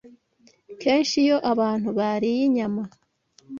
Kenshi iyo abantu bariye inyama